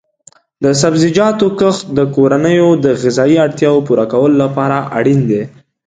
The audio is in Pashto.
د سبزیجاتو کښت د کورنیو د غذایي اړتیاو پوره کولو لپاره اړین دی.